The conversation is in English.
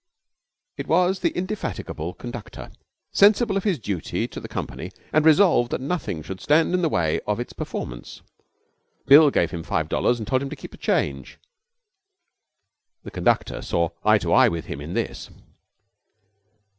It was the indefatigable conductor, sensible of his duty to the company and resolved that nothing should stand in the way of its performance. Bill gave him five dollars and told him to keep the change. The conductor saw eye to eye with him in this.